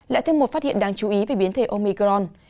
lại thêm một phát hiện đáng chú ý về biến thể omicron